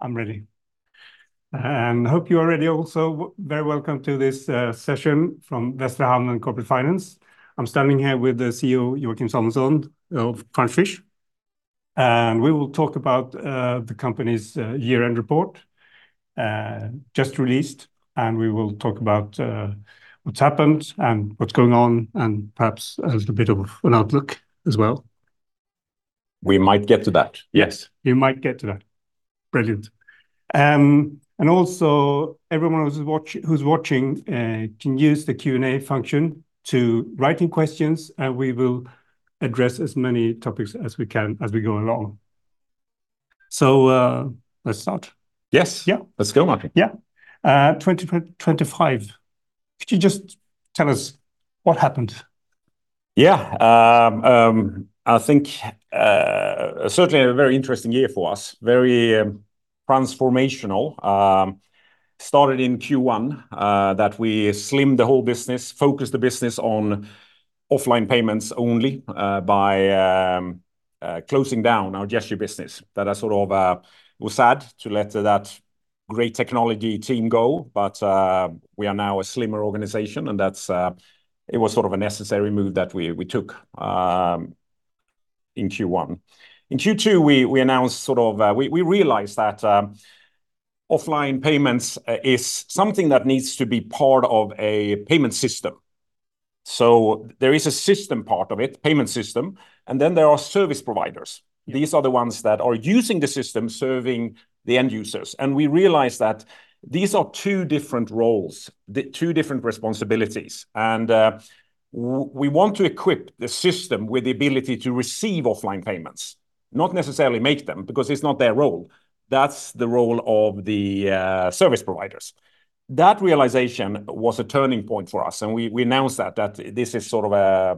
I'm ready. Hope you are ready also. Very welcome to this session from Västra Hamnen Corporate Finance. I'm standing here with the CEO, Joachim Samuelsson of Crunchfish, and we will talk about the company's year-end report just released. We will talk about what's happened and what's going on, and perhaps a little bit of an outlook as well. We might get to that. Yes. We might get to that. Brilliant. And also everyone who's watching can use the Q&A function to write in questions, and we will address as many topics as we can as we go along. So, let's start. Yes. Yeah. Let's go, Martin. Yeah. 2023. Could you just tell us what happened? Yeah. I think certainly a very interesting year for us. Very transformational. Started in Q1 that we slimmed the whole business, focused the business on offline payments only, by closing down our gesture business. That sort of was sad to let that great technology team go, but we are now a slimmer organization, and that's... It was sort of a necessary move that we took in Q1. In Q2, we announced sort of we realized that offline payments is something that needs to be part of a payment system. So there is a system part of it, payment system, and then there are service providers. Yeah. These are the ones that are using the system, serving the end users. We realized that these are two different roles, the two different responsibilities. We want to equip the system with the ability to receive offline payments, not necessarily make them, because it's not their role. That's the role of the service providers. That realization was a turning point for us, and we announced that this is sort of a,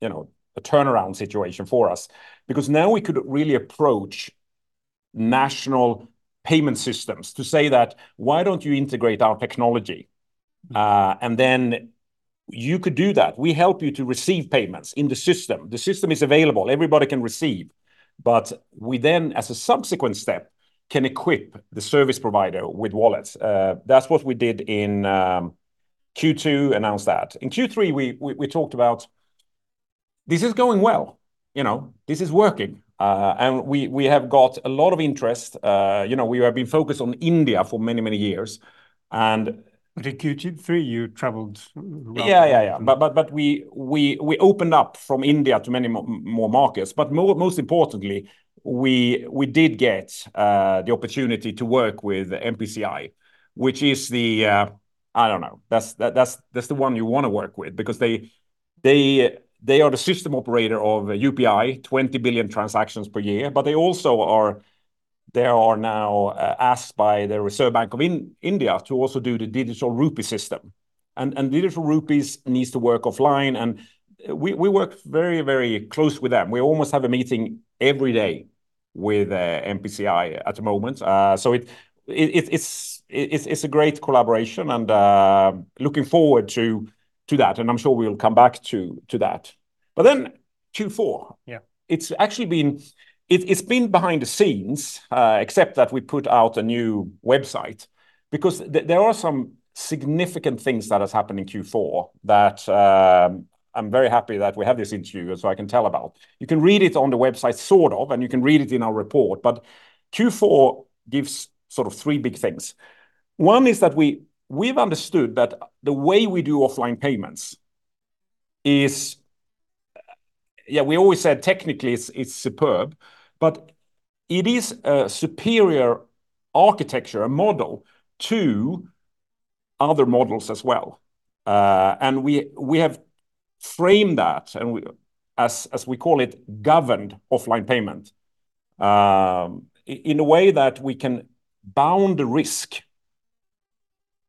you know, a turnaround situation for us. Because now we could really approach national payment systems to say that, "Why don't you integrate our technology? Mm. And then you could do that. We help you to receive payments in the system. The system is available. Everybody can receive. But we then, as a subsequent step, can equip the service provider with wallets." That's what we did in Q2, announced that. In Q3, we talked about, "This is going well, you know, this is working." And we have got a lot of interest. You know, we have been focused on India for many, many years, and- But in Q3, you traveled around. Yeah, yeah, yeah. But we opened up from India to many more markets. But most importantly, we did get the opportunity to work with NPCI, which is the... I don't know. That's the one you wanna work with because they are the system operator of UPI, 20 billion transactions per year. But they also are now asked by the Reserve Bank of India to also do the Digital Rupee system. And digital rupees needs to work offline, and we work very, very close with them. We almost have a meeting every day with NPCI at the moment. So it's a great collaboration, and looking forward to that, and I'm sure we'll come back to that. But then Q4- Yeah... It's actually been behind the scenes, except that we put out a new website, because there are some significant things that has happened in Q4 that I'm very happy that we have this interview, so I can tell about. You can read it on the website, sort of, and you can read it in our report. But Q4 gives sort of three big things. One is that we've understood that the way we do offline payments is. Yeah, we always said technically it's superb, but it is a superior architecture, a model to other models as well. And we have framed that, and we, as we call it, Governed Offline Payments, in a way that we can bound the risk.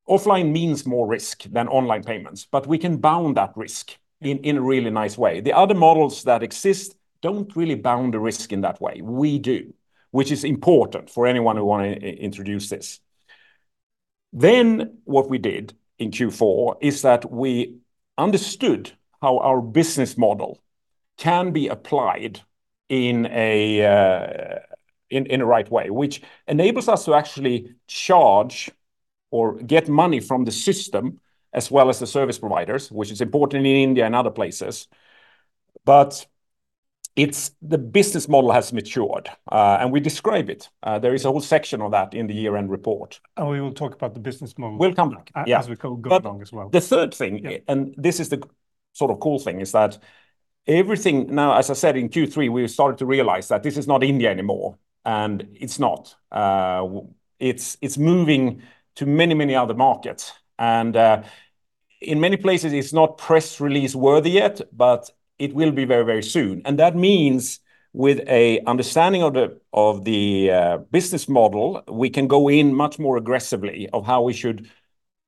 Offline means more risk than online payments, but we can bound that risk in a really nice way. The other models that exist don't really bound the risk in that way; we do, which is important for anyone who wanna introduce this. Then, what we did in Q4 is that we understood how our business model can be applied in the right way, which enables us to actually charge or get money from the system, as well as the service providers, which is important in India and other places. But it's the business model has matured, and we describe it. There is a whole section on that in the year-end report. We will talk about the business model. We'll come back. Yeah... as we go along as well. The third thing- Yeah... and this is the sort of cool thing, is that everything now, as I said in Q3, we started to realize that this is not India anymore, and it's not. It's moving to many, many other markets. And in many places, it's not press release worthy yet, but it will be very, very soon. And that means, with an understanding of the business model, we can go in much more aggressively of how we should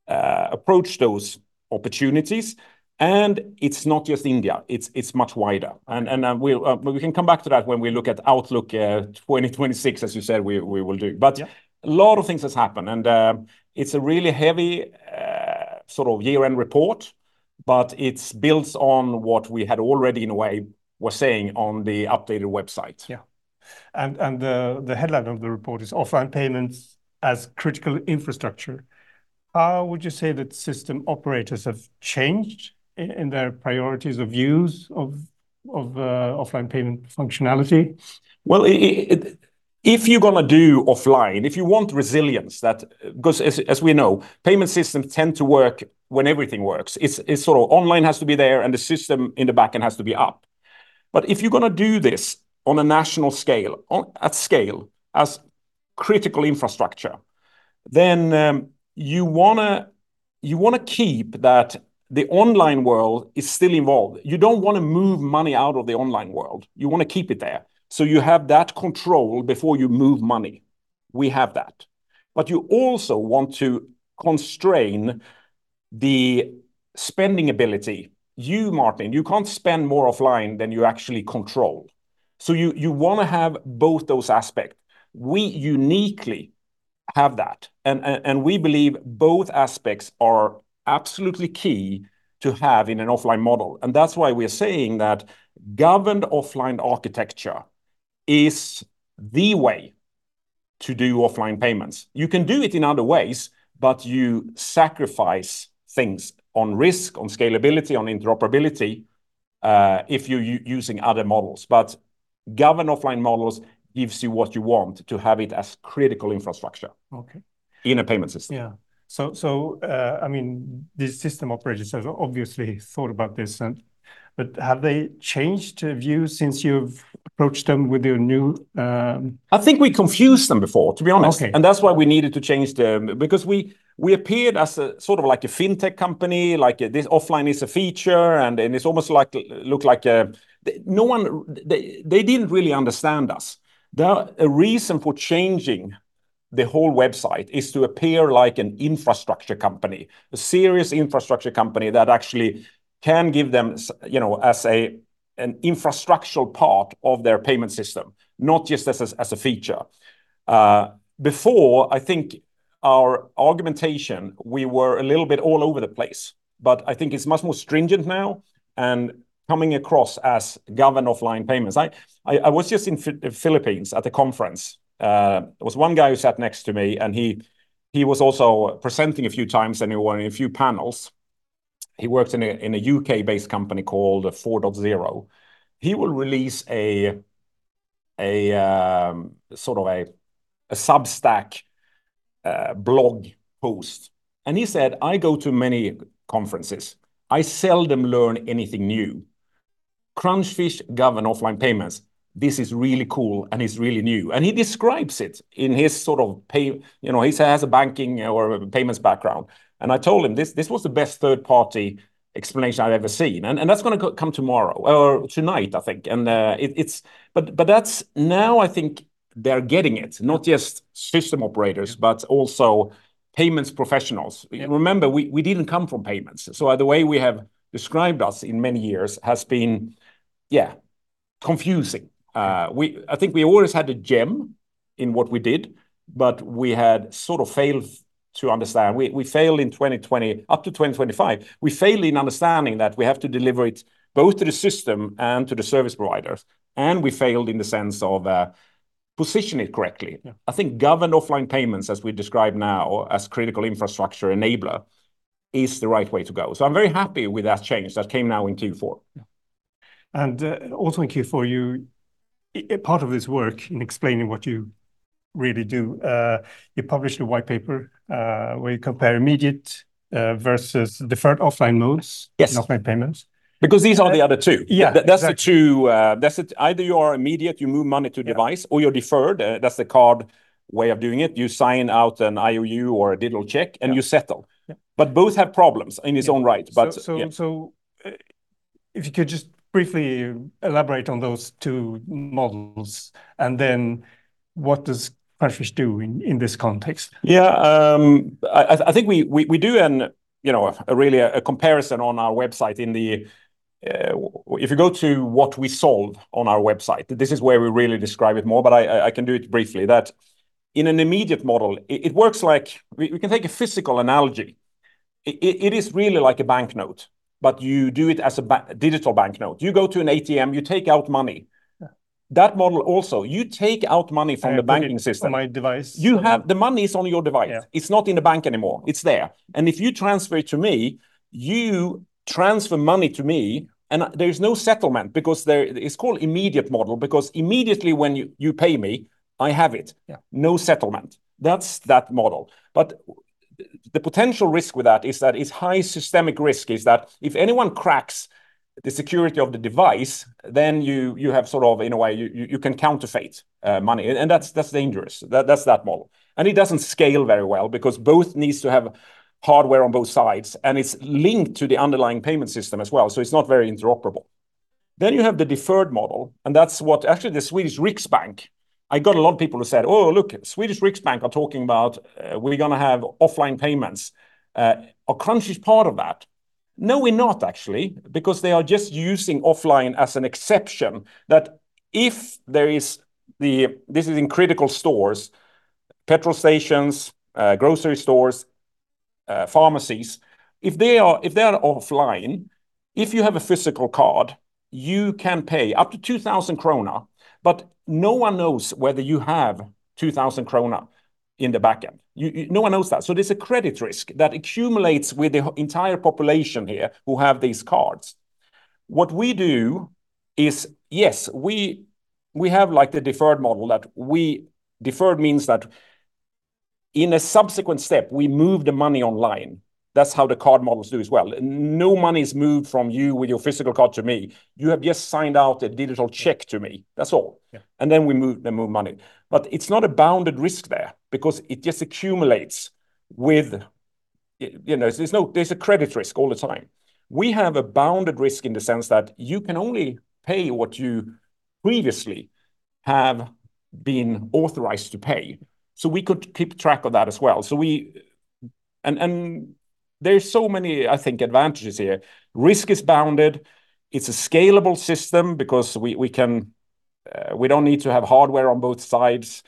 approach those opportunities. And it's not just India, it's much wider. And we'll, we can come back to that when we look at Outlook 2026, as you said, we will do. Yeah. But a lot of things has happened, and it's a really heavy sort of year-end report, but it's built on what we had already, in a way, were saying on the updated website. Yeah. And the headline of the report is Offline Payments as Critical Infrastructure. How would you say that system operators have changed in their priorities of use of offline payment functionality? Well, if you're going to do offline, if you want resilience, that because as we know, payment systems tend to work when everything works. It's sort of online has to be there, and the system in the back end has to be up. But if you're going to do this on a national scale, at scale, as critical infrastructure, then you want to keep that the online world is still involved. You don't want to move money out of the online world. You want to keep it there, so you have that control before you move money. We have that. But you also want to constrain the spending ability. You, Martin, you can't spend more offline than you actually control. So you want to have both those aspects. We uniquely have that, and we believe both aspects are absolutely key to have in an offline model. And that's why we are saying that governed offline architecture is the way to do offline payments. You can do it in other ways, but you sacrifice things on risk, on scalability, on interoperability, if you're using other models. But governed offline models gives you what you want to have it as critical infrastructure- Okay in a payment system. Yeah. I mean, the system operators have obviously thought about this, but have they changed their view since you've approached them with your new I think we confused them before, to be honest. Okay. And that's why we needed to change the... Because we appeared as a sort of like a fintech company, like this offline is a feature, and then it's almost like no one—they didn't really understand us. The reason for changing the whole website is to appear like an infrastructure company, a serious infrastructure company that actually can give them—you know, as an infrastructural part of their payment system, not just as a feature. Before, I think our argumentation, we were a little bit all over the place, but I think it's much more stringent now and coming across as Governed Offline Payments. I was just in Philippines at a conference. There was one guy who sat next to me, and he was also presenting a few times, and he was in a few panels. He worked in a UK-based company called 4 Dot 0. He will release a sort of a Substack blog post. And he said, "I go to many conferences. I seldom learn anything new. Crunchfish Governed Offline Payments, this is really cool, and it's really new." And he describes it in his sort of pay, you know, he has a banking or payments background. And I told him, "This was the best third-party explanation I've ever seen." And that's going to come tomorrow or tonight, I think. But that's... Now, I think they're getting it, not just system operators, but also payments professionals. Yeah. Remember, we didn't come from payments, so the way we have described us in many years has been, yeah, confusing. I think we always had a gem in what we did, but we had sort of failed to understand. We failed in 2020, up to 2025, we failed in understanding that we have to deliver it both to the system and to the service providers, and we failed in the sense of position it correctly. Yeah. I think Governed Offline Paymentss, as we describe now, as critical infrastructure enabler, is the right way to go. So I'm very happy with that change that came now in Q4. Yeah. And, also in Q4, you, a part of this work in explaining what you really do, you published a white paper, where you compare immediate, versus deferred offline modes- Yes and offline payments. Because these are the other two. Yeah. That's the two, that's it. Either you are immediate, you move money to device- Yeah... or you're deferred. That's the card way of doing it. You sign out an IOU or a digital check, and you settle. Yeah. But both have problems in its own right. But, yeah. So, if you could just briefly elaborate on those two models, and then what does Crunchfish do in this context? Yeah, I think we do, you know, a really a comparison on our website in the, if you go to What We Solve on our website, this is where we really describe it more, but I can do it briefly. That in an immediate model, it works like... We can take a physical analogy. It is really like a banknote, but you do it as a digital banknote. You go to an ATM, you take out money. Yeah. That model also, you take out money from the banking system. On my device. The money is on your device. Yeah. It's not in the bank anymore. It's there. And if you transfer it to me, you transfer money to me, and there's no settlement because there. It's called immediate model because immediately when you, you pay me, I have it. Yeah. No settlement. That's that model. But the potential risk with that is that it's high systemic risk, is that if anyone cracks the security of the device, then you have sort of, in a way, you can counterfeit money. And that's dangerous. That's that model. And it doesn't scale very well because both needs to have hardware on both sides, and it's linked to the underlying payment system as well, so it's not very interoperable. Then, you have the deferred model, and that's what actually the Swedish Riksbank, I got a lot of people who said: "Oh, look, Swedish Riksbank are talking about, we're going to have offline payments." Are Crunchfish part of that?... No, we're not actually, because they are just using offline as an exception, that if there is, this is in critical stores, petrol stations, grocery stores, pharmacies. If they are offline, if you have a physical card, you can pay up to 2,000 krona, but no one knows whether you have 2,000 krona in the back end. You, no one knows that. So there's a credit risk that accumulates with the entire population here who have these cards. What we do is, yes, we have, like, the deferred model. Deferred means that in a subsequent step, we move the money online. That's how the card models do as well. No money is moved from you with your physical card to me. You have just signed out a digital check to me. That's all. Yeah. And then we move, then move money. But it's not a bounded risk there, because it just accumulates with you, you know, there's a credit risk all the time. We have a bounded risk in the sense that you can only pay what you previously have been authorized to pay. So we could keep track of that as well. And there are so many, I think, advantages here. Risk is bounded. It's a scalable system because we can, we don't need to have hardware on both sides.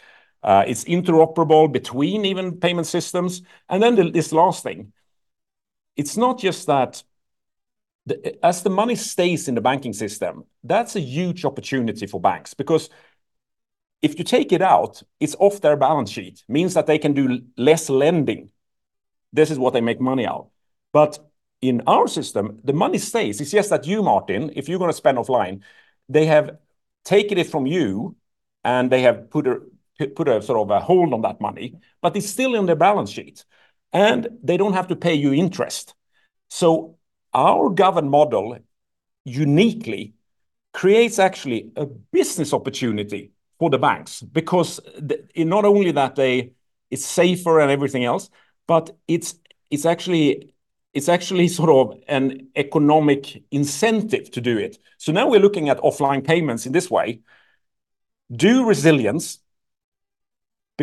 It's interoperable between even payment systems. And then this last thing, it's not just that, as the money stays in the banking system, that's a huge opportunity for banks, because if you take it out, it's off their balance sheet. Means that they can do less lending. This is what they make money out. But in our system, the money stays. It's just that you, Martin, if you're gonna spend offline, they have taken it from you, and they have put a sort of a hold on that money, but it's still on their balance sheet, and they don't have to pay you interest. So our governed model uniquely creates actually a business opportunity for the banks, because the, not only that they, it's safer and everything else, but it's, it's actually, it's actually sort of an economic incentive to do it. So now we're looking at offline payments in this way. Do resilience,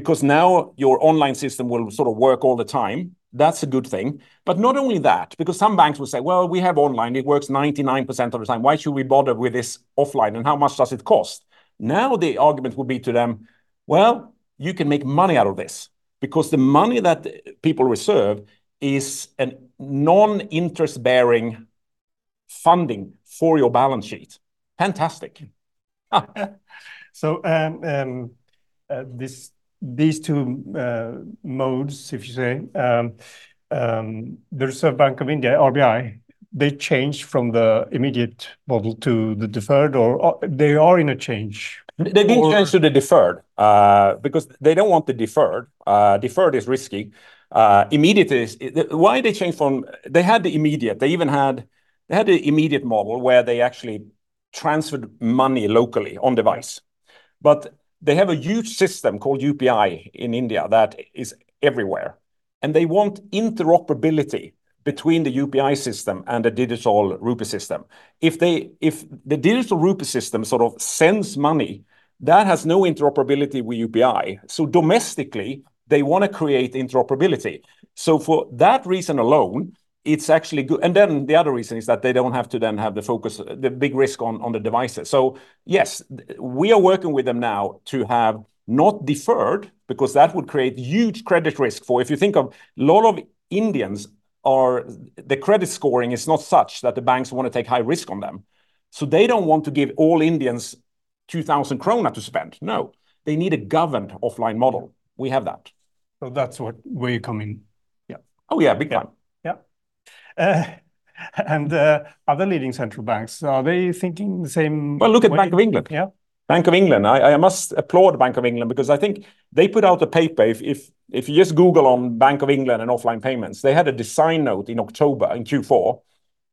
because now your online system will sort of work all the time. That's a good thing. But not only that, because some banks will say, "Well, we have online. It works 99% of the time. Why should we bother with this offline, and how much does it cost?" Now, the argument will be to them, "Well, you can make money out of this, because the money that people reserve is a non-interest-bearing funding for your balance sheet." Fantastic! So, these two modes, if you say, the Reserve Bank of India, RBI, they changed from the immediate model to the deferred, or they are in a change? Or- They didn't change to the deferred because they don't want the deferred. Deferred is risky. Immediate is... Why they changed from. They had the immediate. They even had, they had the immediate model, where they actually transferred money locally on device. But they have a huge system called UPI in India that is everywhere, and they want interoperability between the UPI system and the Digital Rupee system. If they, if the Digital Rupee system sort of sends money, that has no interoperability with UPI. So domestically, they wanna create interoperability. So for that reason alone, it's actually good. And then the other reason is that they don't have to then have the focus, the big risk on, on the devices. So yes, we are working with them now to have not deferred, because that would create huge credit risk for... If you think of a lot of Indians are, the credit scoring is not such that the banks want to take high risk on them, so they don't want to give all Indians 2,000 krona to spend. No, they need a governed offline model. We have that. So that's what, where you come in? Yeah. Oh, yeah, big time. Yeah. Yeah. And other leading central banks, are they thinking the same- Well, look at Bank of England. Yeah. Bank of England. I must applaud Bank of England because I think they put out a paper. If you just Google on Bank of England and offline payments, they had a design note in October, in Q4,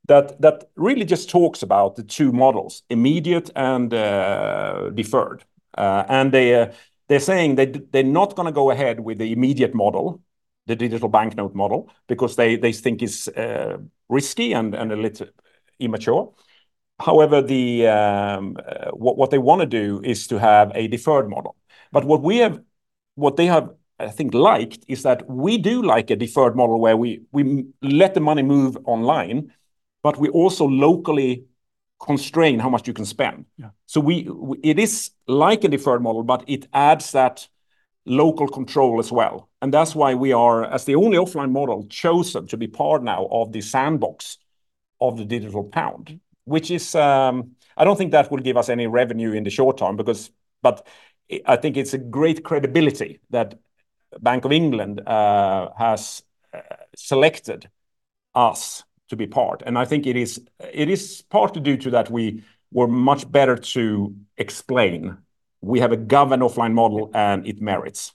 that really just talks about the two models, immediate and deferred. And they’re saying they’re not gonna go ahead with the immediate model, the digital banknote model, because they think it’s risky and a little immature. However, what they wanna do is to have a deferred model. But what they have, I think, liked is that we do like a deferred model where we let the money move online, but we also locally constrain how much you can spend. Yeah. So it is like a deferred model, but it adds that local control as well, and that's why we are, as the only offline model, chosen to be part now of the sandbox of the Digital Pound. Which is, I don't think that will give us any revenue in the short term, because... But I think it's a great credibility that Bank of England has selected us to be part. And I think it is partly due to that we were much better to explain. We have a governed offline model, and it merits.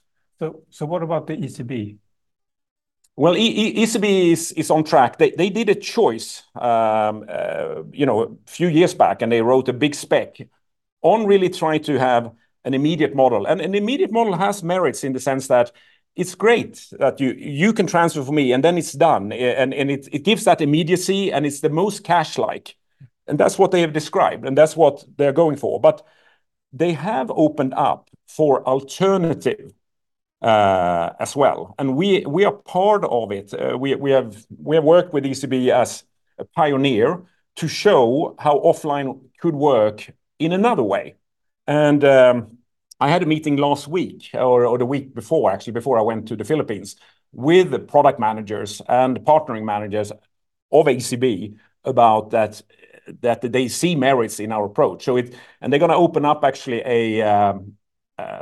So, what about the ECB? Well, ECB is on track. They did a choice, you know, a few years back, and they wrote a big spec on really trying to have an immediate model. And an immediate model has merits in the sense that it's great that you can transfer for me, and then it's done. And it gives that immediacy, and it's the most cash-like, and that's what they have described, and that's what they're going for. But they have opened up for alternative as well, and we are part of it. We have worked with ECB as a pioneer to show how offline could work in another way. I had a meeting last week, or the week before, actually, before I went to the Philippines, with the product managers and partnering managers of ECB about that, that they see merits in our approach. So it—And they're gonna open up actually a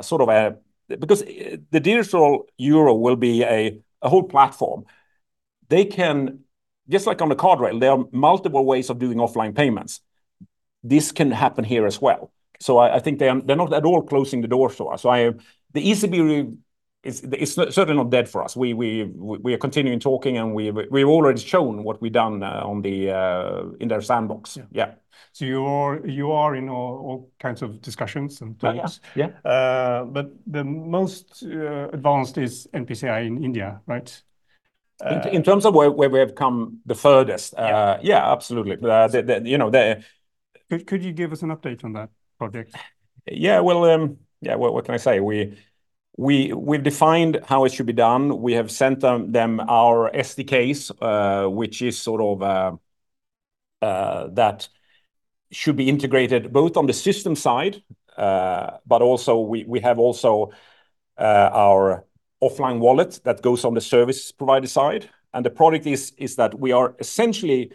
sort of a—Because the Digital Euro will be a whole platform. They can just like on the card rail, there are multiple ways of doing offline payments. This can happen here as well. So I think they, they're not at all closing the door for us. So I—the ECB is certainly not dead for us. We are continuing talking, and we've already shown what we've done on the in their sandbox. Yeah. Yeah. So you are in all kinds of discussions and things? Yeah. Yeah. The most advanced is NPCI in India, right? In terms of where we have come the furthest- Yeah. Yeah, absolutely. You know, the- Could you give us an update on that project? Yeah, well, yeah, what can I say? We've defined how it should be done. We have sent them our SDKs, which is sort of that should be integrated both on the system side, but also we have also our offline wallet that goes on the service provider side. And the product is that we are essentially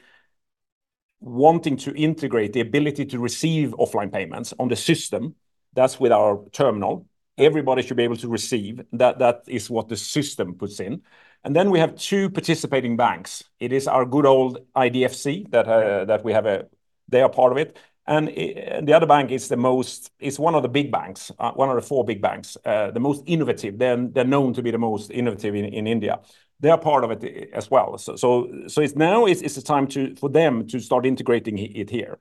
wanting to integrate the ability to receive offline payments on the system. That's with our terminal. Everybody should be able to receive. That is what the system puts in. And then we have two participating banks. It is our good old IDFC that we have a... They are part of it. And the other bank is the most is one of the big banks, one of the four big banks, the most innovative. They're known to be the most innovative in India. They are part of it as well. So it's now the time for them to start integrating it here.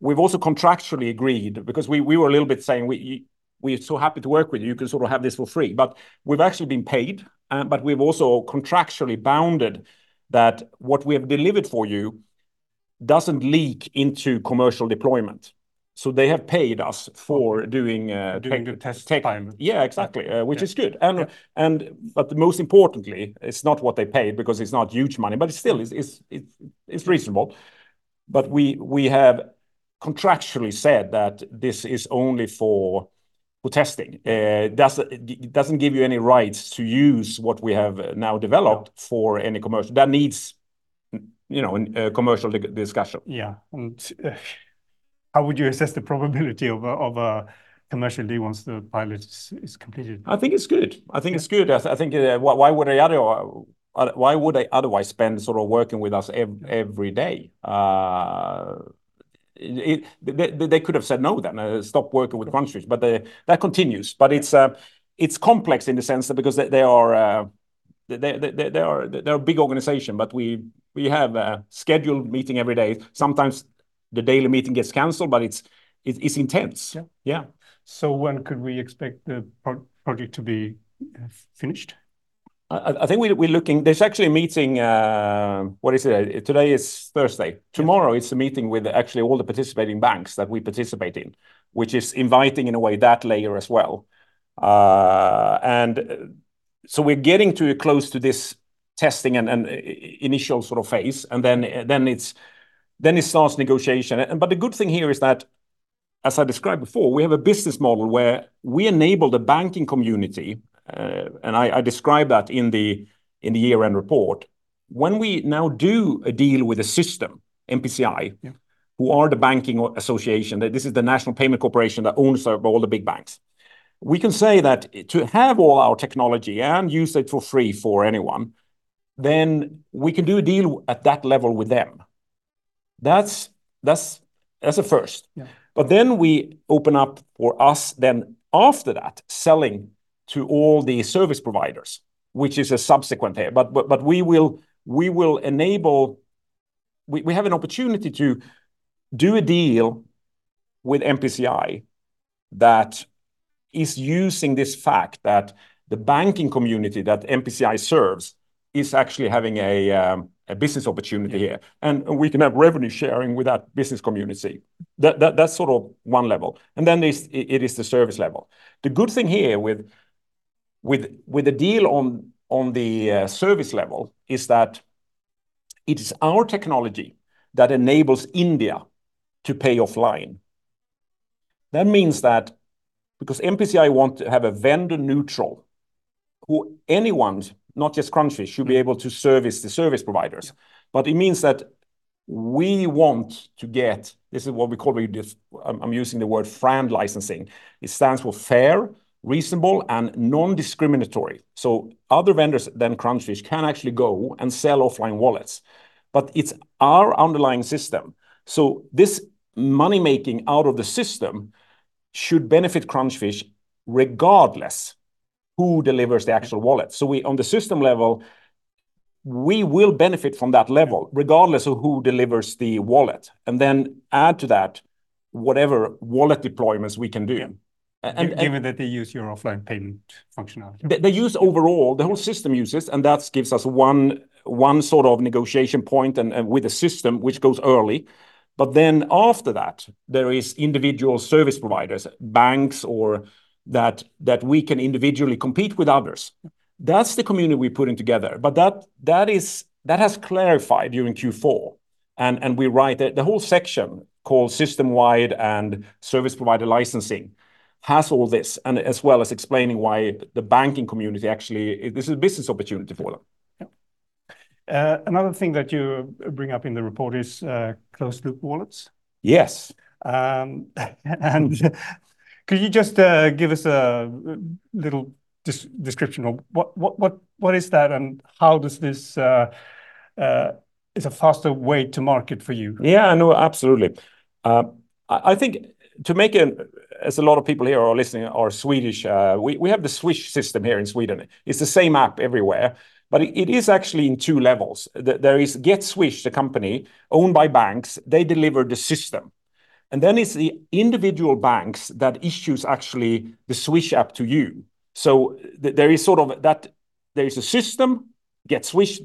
We've also contractually agreed, because we were a little bit saying, "We're so happy to work with you. You can sort of have this for free." But we've actually been paid, but we've also contractually bounded that what we have delivered for you doesn't leak into commercial deployment. So they have paid us for doing, Doing the test time. Yeah, exactly. Yeah. Which is good. Yeah. But most importantly, it's not what they paid, because it's not huge money, but it's still reasonable. But we have contractually said that this is only for the testing. It doesn't give you any rights to use what we have now developed- Yeah... for any commercial. That needs, you know, a commercial discussion. Yeah. How would you assess the probability of a commercially once the pilot is completed? I think it's good. Yeah. I think it's good. I think, why would they otherwise spend sort of working with us every day? They could have said no then, "Stop working with Crunchfish," but they... That continues. Yeah. But it's complex in the sense that because they are a big organization, but we have a scheduled meeting every day. Sometimes the daily meeting gets canceled, but it's intense. Yeah. Yeah. When could we expect the project to be finished? I think we're looking... There's actually a meeting, what is it? Today is Thursday. Yeah. Tomorrow is a meeting with actually all the participating banks that we participate in, which is inviting, in a way, that layer as well. And so we're getting close to this testing and initial sort of phase, and then it starts negotiation. But the good thing here is that, as I described before, we have a business model where we enable the banking community, and I describe that in the year-end report. When we now do a deal with a system, NPCI- Yeah... who are the banking association, this is the National Payments Corporation that owns sort of all the big banks. We can say that to have all our technology and use it for free for anyone, then we can do a deal at that level with them. That's a first. Yeah. But then we open up for us, then after that, selling to all the service providers, which is a subsequent layer. But we will enable. We have an opportunity to do a deal with NPCI that is using this fact that the banking community that NPCI serves is actually having a business opportunity here, and we can have revenue sharing with that business community. That's sort of one level, and then there is the service level. The good thing here with the deal on the service level is that it is our technology that enables India to pay offline. That means that because NPCI want to have a vendor neutral, who anyone, not just countries, should be able to service the service providers. But it means that we want to get... This is what we call. I'm using the word FRAND licensing. It stands for fair, reasonable, and non-discriminatory. So other vendors than Crunchfish can actually go and sell offline wallets, but it's our underlying system. So this money-making out of the system should benefit Crunchfish, regardless who delivers the actual wallet. So we, on the system level, we will benefit from that level, regardless of who delivers the wallet, and then add to that whatever wallet deployments we can do. Yeah. And, and- Given that they use your offline payment functionality. They use overall, the whole system uses, and that gives us one sort of negotiation point and with the system, which goes early. But then after that, there are individual service providers, banks or that, that we can individually compete with others. That's the community we're putting together. But that is- that has clarified during Q4, and we write it. The whole section called System-wide and Service Provider Licensing has all this, and as well as explaining why the banking community, actually, this is a business opportunity for them. Yep. Another thing that you bring up in the report is closed-loop wallets. Yes. Could you just give us a little description of what that is, and how does this is a faster way to market for you? Yeah, no, absolutely. I think to make it, as a lot of people here are listening, are Swedish, we have the Swish system here in Sweden. It's the same app everywhere, but it is actually in two levels. There is Getswish, the company owned by banks. They deliver the system, and then it's the individual banks that issues actually the Swish app to you. So there is sort of that-- there is a system, Getswish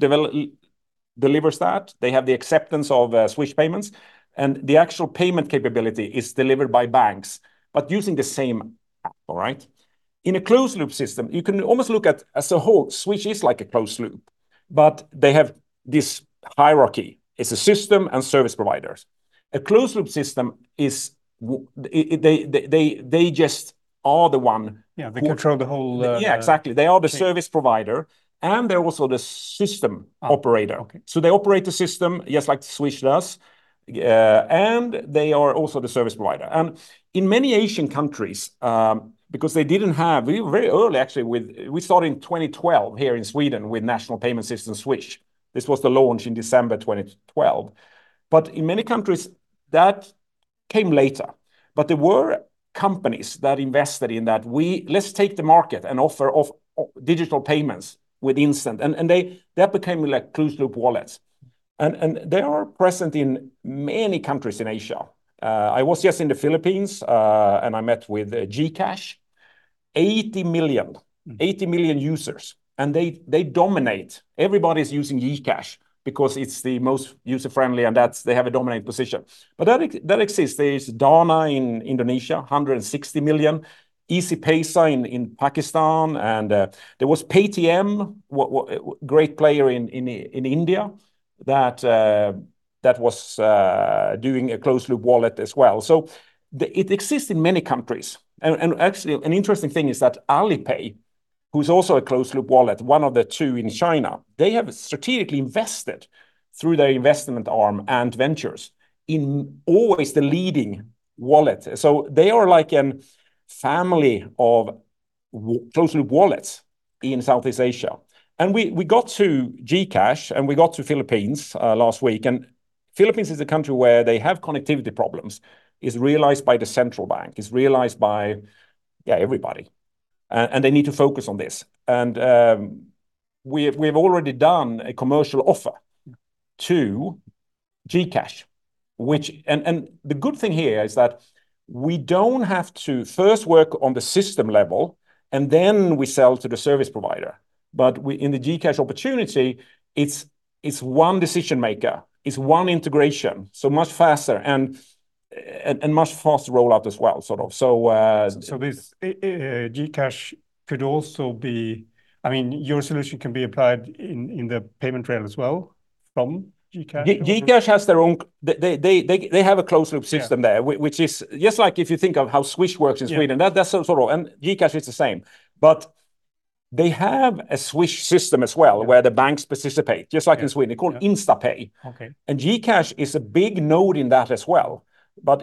delivers that. They have the acceptance of Swish payments, and the actual payment capability is delivered by banks, but using the same app, all right? In a closed-loop system, you can almost look at as a whole, Swish is like a closed loop, but they have this hierarchy. It's a system and service providers. A closed-loop system is where they just are the one- Yeah, they control the whole- Yeah, exactly. They- They are the service provider, and they're also the system operator. Ah, okay. So they operate the system just like Swish does, and they are also the service provider. And in many Asian countries, because they didn't have. We very early, actually, started in 2012 here in Sweden with national payment system, Swish. This was the launch in December 2012. But in many countries, that came later. But there were companies that invested in that. Let's take the market and offer of digital payments with instant, and that became like closed-loop wallets. And they are present in many countries in Asia. I was just in the Philippines, and I met with GCash. 80 million- Mm. 80 million users, and they, they dominate. Everybody's using GCash because it's the most user-friendly, and that's they have a dominant position. But that exists. There is Dana in Indonesia, 160 million, Easypaisa in Pakistan, and there was Paytm, great player in India that was doing a closed-loop wallet as well. So it exists in many countries. And actually, an interesting thing is that Alipay, who's also a closed-loop wallet, one of the two in China, they have strategically invested through their investment arm Ant Ventures in always the leading wallet. So they are like an family of closed-loop wallets in Southeast Asia. And we got to GCash, and we got to Philippines last week. Philippines is a country where they have connectivity problems, is realized by the Central Bank, is realized by, yeah, everybody, and they need to focus on this. And, we've already done a commercial offer to GCash, which... And, and the good thing here is that we don't have to first work on the system level, and then we sell to the service provider. But we, in the GCash opportunity, it's, it's one decision-maker, it's one integration, so much faster and, and much faster rollout as well, sort of. So, So this GCash could also be... I mean, your solution can be applied in the payment trail as well from GCash? GCash has their own. They have a closed-loop system. Yeah... there, which is, just like if you think of how Swish works in Sweden- Yeah... that, that's sort of, and GCash is the same. But they have a Swish system as well- Yeah... where the banks participate- Yeah... just like in Sweden. Yeah. They call InstaPay. Okay. GCash is a big node in that as well.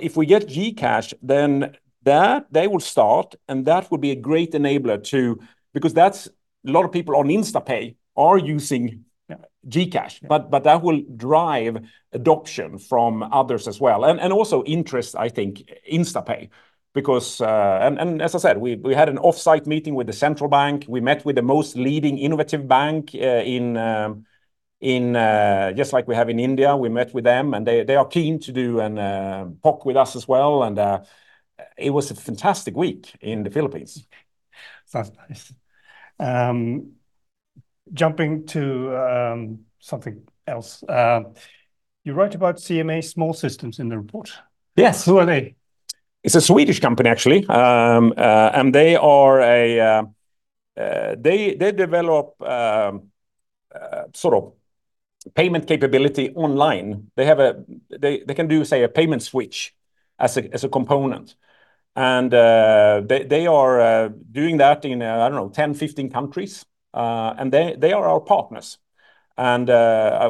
If we get GCash, then that, they will start, and that will be a great enabler, too, because that's a lot of people on InstaPay are using- Yeah... GCash. Yeah. But that will drive adoption from others as well, and also interest, I think, InstaPay because. And as I said, we had an off-site meeting with the Central Bank. We met with the most leading innovative bank in just like we have in India. We met with them, and they are keen to do a POC with us as well, and it was a fantastic week in the Philippines. Sounds nice. Jumping to something else, you wrote about CMA Small Systems in the report. Yes. Who are they? It's a Swedish company, actually. And they are a, they develop sort of payment capability online. They have a, they can do, say, a payment switch as a component. And they are doing that in, I don't know, 10, 15 countries. And they are our partners. And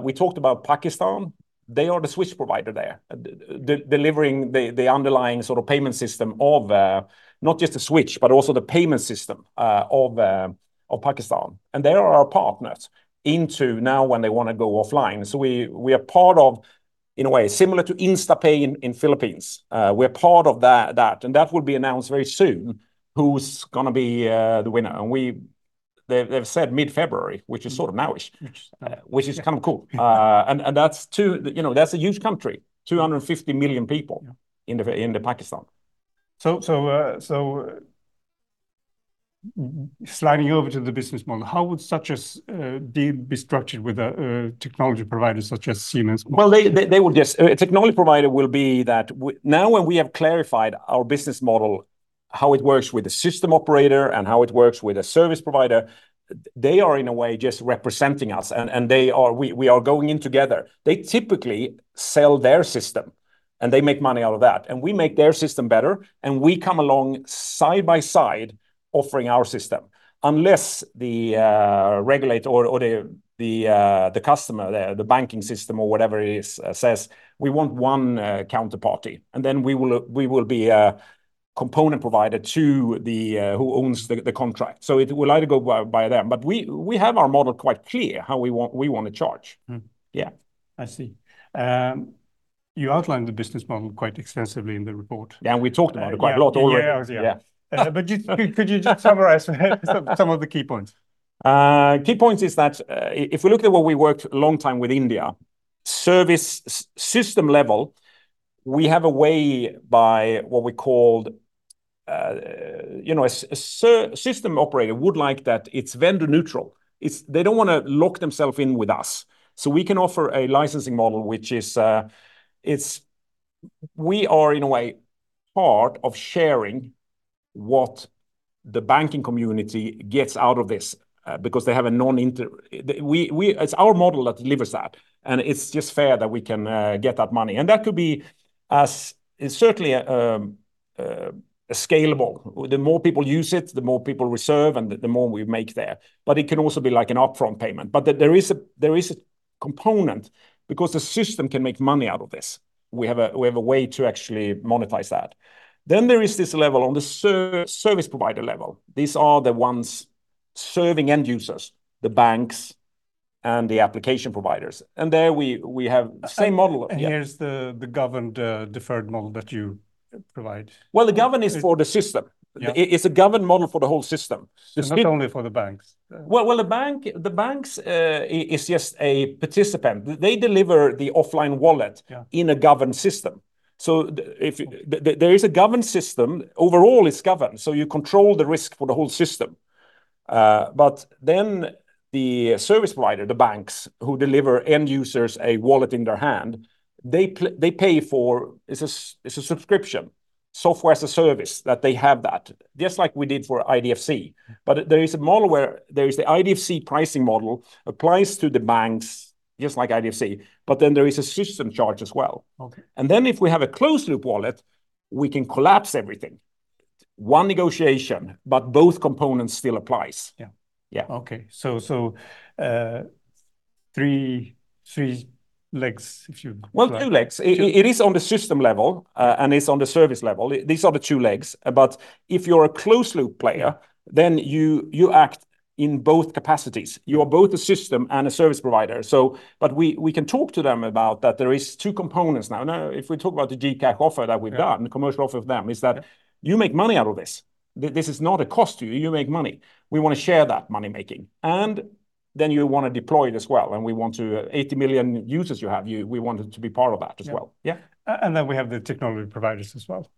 we talked about Pakistan. They are the switch provider there, delivering the underlying sort of payment system of, not just the switch, but also the payment system of Pakistan. And they are our partners into now when they wanna go offline. So we are part of, in a way, similar to InstaPay in Philippines. We're part of that, and that will be announced very soon, who's gonna be the winner. They've said mid-February, which is sort of now-ish. Now-ish... which is kind of cool. Yeah. That's two, you know, that's a huge country, 250 million people- Yeah... in the Pakistan. So, sliding over to the business model, how would such a deal be structured with a technology provider such as CMA? Well, they would just. A technology provider will be that now, when we have clarified our business model... how it works with the system operator and how it works with a service provider. They are, in a way, just representing us, and we are going in together. They typically sell their system, and they make money out of that, and we make their system better, and we come along side by side, offering our system. Unless the regulator or the Emergers, the banking system or whatever it is, says, "We want one counterparty," and then we will be a component provider to the who owns the contract. So it will either go by them. But we have our model quite clear how we want to charge. Mm-hmm. Yeah. I see. You outlined the business model quite extensively in the report. Yeah, and we talked about it quite a lot already. Yeah, yeah. Yeah. Could you just summarize some of the key points? Key points is that if we look at what we worked long time with India, services system level, we have a way by what we called. You know, a system operator would like that it's vendor neutral. It's. They don't wanna lock themselves in with us. So we can offer a licensing model, which is. We are, in a way, part of sharing what the banking community gets out of this, because they have a non-inter. It's our model that delivers that, and it's just fair that we can get that money. And that could be as certainly a scalable. The more people use it, the more people we serve, and the more we make there. But it can also be like an upfront payment. But there is a component because the system can make money out of this. We have a way to actually monetize that. Then there is this level, on the service provider level. These are the ones serving end users, the banks and the application providers. And there we have the same model. Here's the governed, deferred model that you provide. Well, the governed is for the system. Yeah. It's a governed model for the whole system. Not only for the banks. Well, well, the bank—the banks is just a participant. They deliver the offline wallet- Yeah... in a governed system. So if there is a governed system, overall it's governed, so you control the risk for the whole system. But then the service provider, the banks who deliver end users a wallet in their hand, they pay for... It's a subscription, software as a service, that they have, just like we did for IDFC. But there is a model where there is the IDFC pricing model applies to the banks, just like IDFC, but then there is a system charge as well. Okay. And then if we have a closed-loop wallet, we can collapse everything. One negotiation, but both components still applies. Yeah. Yeah. Okay. So three legs, if you- Well, two legs. Two- It is on the system level, and it's on the service level. These are the two legs. But if you're a closed-loop player, then you act in both capacities. Yeah. You are both a system and a service provider. So, but we can talk to them about that. There is two components now. Now, if we talk about the GCash offer that we've done- Yeah... the commercial offer of them, is that you make money out of this. This is not a cost to you. You make money. We want to share that money-making, and then you want to deploy it as well, and we want to-- 80 million users you have. You, we wanted to be part of that as well. Yeah. Yeah. and then we have the technology providers as well.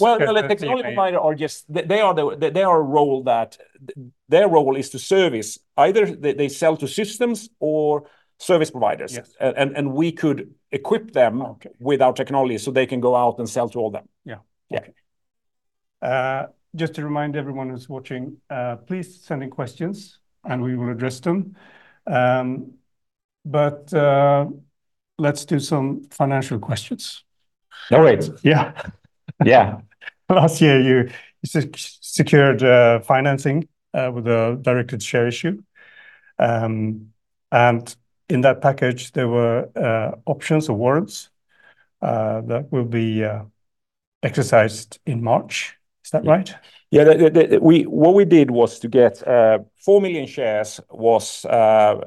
Well, the technology provider are just—they are a role that... Their role is to service. Either they sell to systems or service providers. Yes. And we could equip them- Okay... with our technology, so they can go out and sell to all them. Yeah. Yeah. Okay. Just to remind everyone who's watching, please send in questions, and we will address them. But, let's do some financial questions. No, wait. Yeah. Yeah. Last year, you secured financing with a directed share issue. And in that package, there were options awards that will be exercised in March. Is that right? Yeah. Yeah, what we did was to get 4 million shares, was a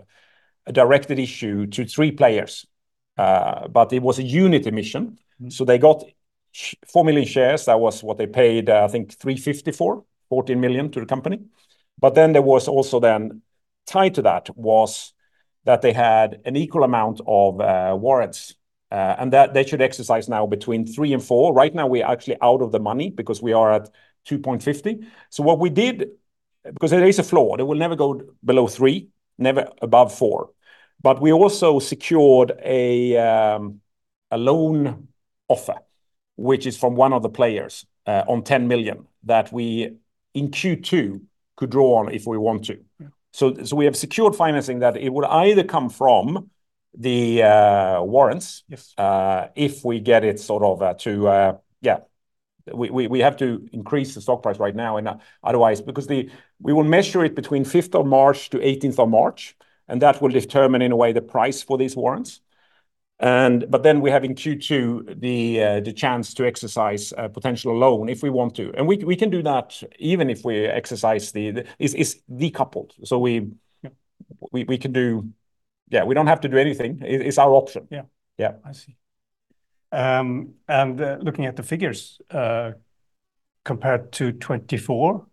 directed issue to three players. But it was a unit emission. Mm. So they got 4 million shares. That was what they paid, I think 3.54, 14 million to the company. But then there was also tied to that, was that they had an equal amount of warrants, and that they should exercise now between 3 and 4. Right now, we're actually out of the money because we are at 2.50. So what we did, because there is a floor, it will never go below 3, never above 4. But we also secured a loan offer, which is from one of the players, on 10 million, that we, in Q2, could draw on if we want to. Yeah. So, we have secured financing that it would either come from the warrants- Yes... if we get it sort of to yeah. We have to increase the stock price right now and otherwise, because the—we will measure it between fifth of March to eighteenth of March, and that will determine, in a way, the price for these warrants. But then we have in Q2 the chance to exercise a potential loan if we want to. And we can do that even if we exercise the... It's decoupled. So we— Yeah... we can do. Yeah, we don't have to do anything. It's our option. Yeah. Yeah. I see. Looking at the figures, compared to 2024,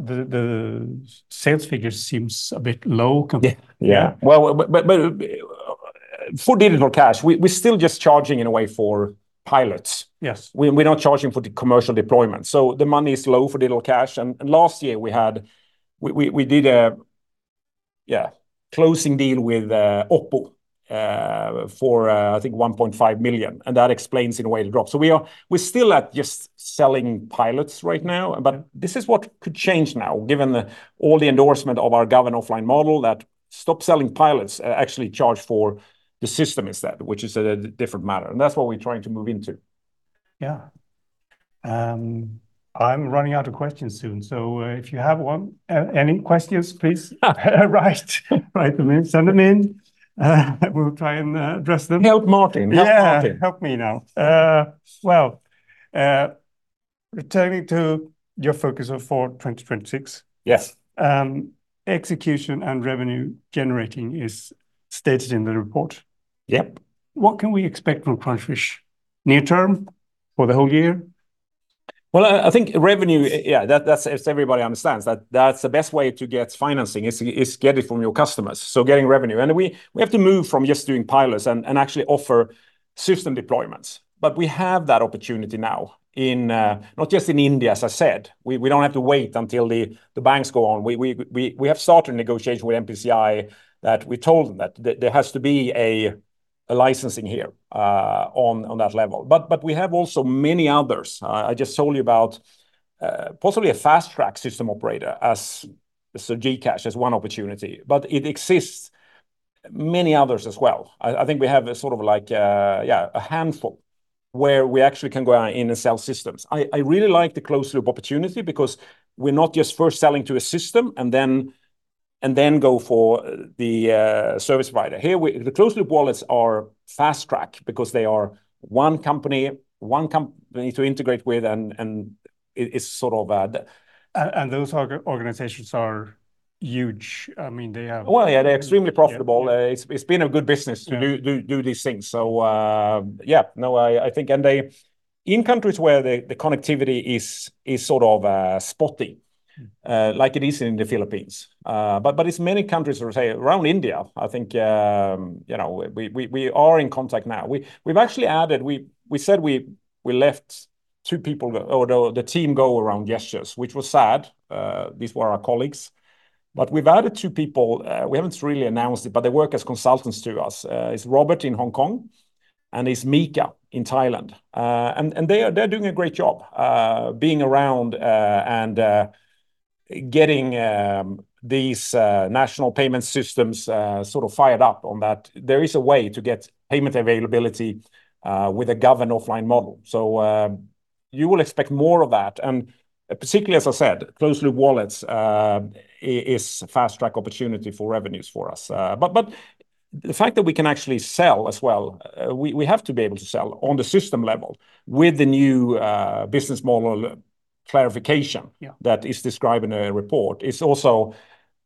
the sales figures seems a bit low compared- Yeah. Yeah. Well, but for Digital Cash, we're still just charging in a way for pilots. Yes. We're not charging for the commercial deployment, so the money is low for Digital Cash. And last year, we had. We did a closing deal with OPPO for, I think, 1.5 million, and that explains in a way the drop. So we're still at just selling pilots right now, but this is what could change now, given all the endorsement of our governed offline model that stop selling pilots and actually charge for the system instead, which is a different matter, and that's what we're trying to move into. Yeah. I'm running out of questions soon, so if you have one, any questions, please write them in, send them in, we'll try and address them. Help Martin. Help Martin. Yeah, help me now. Well, returning to your focus of for 2026- Yes. Execution and revenue generating is stated in the report. Yep. What can we expect from Crunchfish near term for the whole year? Well, I think revenue, yeah, that's as everybody understands, that's the best way to get financing is get it from your customers, so getting revenue. We have to move from just doing pilots and actually offer system deployments. But we have that opportunity now in not just in India, as I said, we don't have to wait until the banks go on. We have started negotiation with NPCI, that we told them that there has to be a licensing here on that level. But we have also many others. I just told you about possibly a fast track system operator as so GCash as one opportunity, but it exists many others as well. I think we have a sort of like, yeah, a handful where we actually can go out in and sell systems. I really like the closed loop opportunity because we're not just first selling to a system and then, and then go for the service provider. Here, we, the closed loop wallets are fast track because they are one company, one company to integrate with, and, and it's sort of. And those organizations are huge. I mean, they have- Well, yeah, they're extremely profitable. Yeah. It's been a good business- Yeah... to do these things. So, yeah, no, I think and they, in countries where the connectivity is sort of spotty, like it is in the Philippines, but it's many countries, say, around India, I think, you know, we are in contact now. We've actually added. We said we left two people, or the team go around Gesture, which was sad. These were our colleagues. But we've added two people, we haven't really announced it, but they work as consultants to us. It's Robert in Hong Kong, and it's Mika in Thailand. And they are - they're doing a great job, being around, and getting these national payment systems sort of fired up on that. There is a way to get payment availability with a governed offline model. So you will expect more of that. And particularly, as I said, closed-loop wallets is fast track opportunity for revenues for us. But the fact that we can actually sell as well, we have to be able to sell on the system level with the new business model clarification- Yeah... that is described in a report. It's also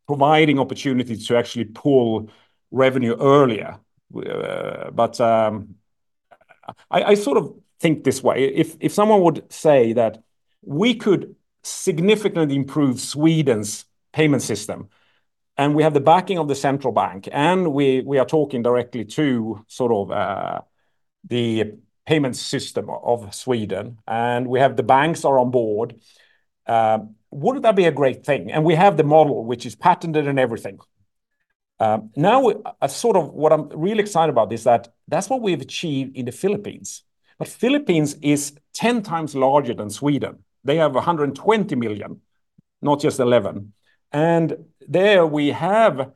providing opportunities to actually pull revenue earlier. But, I sort of think this way, if someone would say that we could significantly improve Sweden's payment system, and we have the backing of the central bank, and we are talking directly to sort of the payment system of Sweden, and we have the banks are on board, wouldn't that be a great thing? And we have the model, which is patented and everything. Now, sort of what I'm really excited about is that that's what we've achieved in the Philippines. But Philippines is 10 times larger than Sweden. They have 120 million, not just 11. And there we have,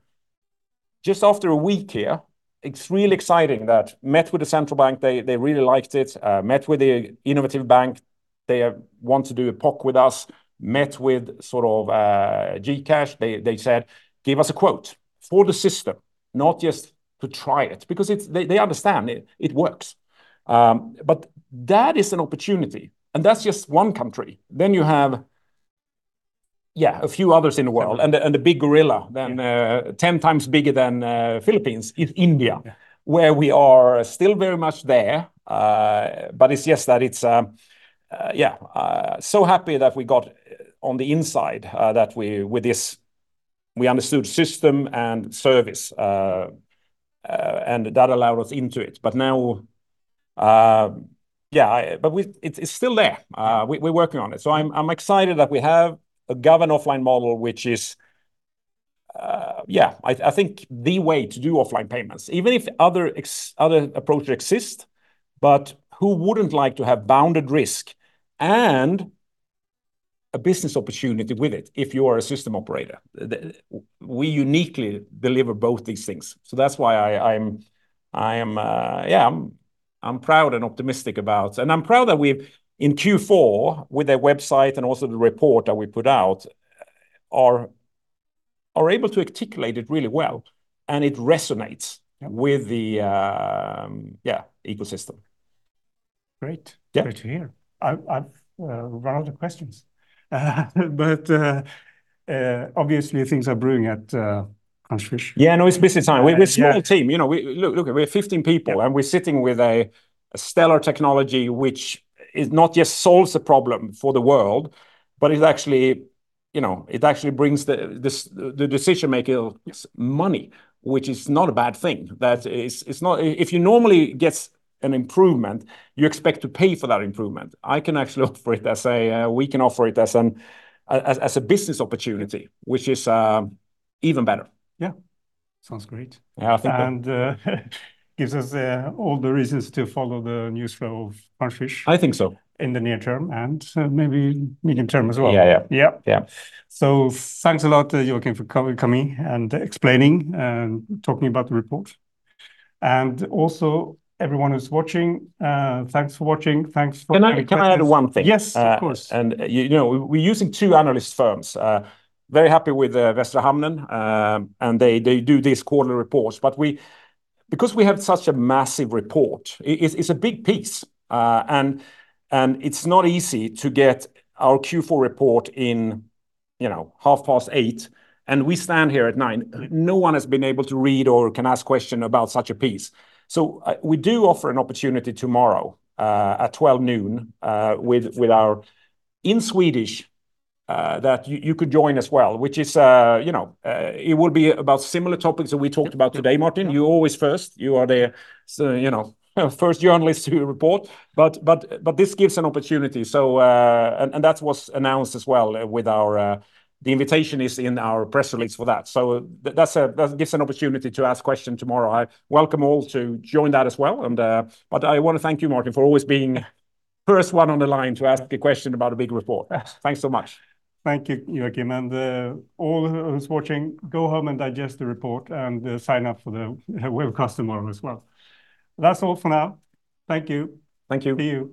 just after a week here, it's really exciting that met with the central bank. They really liked it. Met with the innovative bank. They want to do a POC with us, met with sort of GCash. They said, "Give us a quote for the system, not just to try it," because it's, they understand it, it works. But that is an opportunity, and that's just one country. Then you have, yeah, a few others in the world- Yeah... and the big gorilla than 10 times bigger than Philippines is India- Yeah... where we are still very much there. But it's just that it's, yeah, so happy that we got on the inside, that we, with this, we understood system and service, and that allowed us into it. But now, yeah, it's, it's still there. We're working on it. So I'm excited that we have a governed offline model, which is, yeah, I think the way to do offline payments, even if other approaches exist, but who wouldn't like to have bounded risk and a business opportunity with it, if you are a system operator? We uniquely deliver both these things. So that's why I'm proud and optimistic about... I'm proud that we've, in Q4, with the website and also the report that we put out, are able to articulate it really well, and it resonates. Yeah... with the, yeah, ecosystem. Great. Yeah. Great to hear. I've run out of questions, but obviously, things are brewing at Crunchfish. Yeah, no, it's busy time. Yeah. We're a small team. You know, we're 15 people. Yeah... and we're sitting with a stellar technology, which not just solves a problem for the world, but it actually, you know, it actually brings the decision-maker money, which is not a bad thing. It's not if you normally get an improvement, you expect to pay for that improvement. I can actually offer it as a business opportunity, which is even better. Yeah. Sounds great. Yeah, I think that- gives us all the reasons to follow the news flow of Crunchfish- I think so.... in the near term and, maybe medium term as well. Yeah, yeah. Yeah. Yeah. Thanks a lot, Joakim, for coming and explaining and talking about the report. Also everyone who's watching, thanks for watching. Thanks for- Can I add one thing? Yes, of course. You know, we're using two analyst firms. Very happy with the Västra Hamnen, and they do these quarterly reports, but because we have such a massive report, it's a big piece. And it's not easy to get our Q4 report in, you know, 8:30 A.M., and we stand here at 9:00 A.M. No one has been able to read or can ask question about such a piece. So, we do offer an opportunity tomorrow, at 12:00 noon, with our... In Swedish, that you could join as well, which is, you know, it would be about similar topics that we talked about today, Martin. Yeah. You always first, you are the, you know, first journalist to report. But this gives an opportunity. So, that was announced as well with our, the invitation is in our press release for that. So that's, that gives an opportunity to ask question tomorrow. I welcome all to join that as well, but I want to thank you, Martin, for always being first one on the line to ask a question about a big report. Yes. Thanks so much. Thank you, Joakim. And, all who, who's watching, go home and digest the report and, sign up for the webinar with customer as well. That's all for now. Thank you. Thank you. See you.